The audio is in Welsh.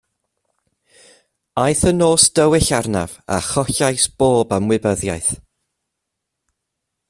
Aeth yn nos dywyll arnaf a chollais bob ymwybyddiaeth.